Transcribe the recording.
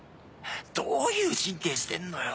どういう神経してんのよ。